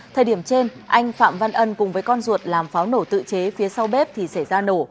thời điểm trên anh phạm văn ân cùng với con ruột làm pháo nổ tự chế phía sau bếp thì xảy ra nổ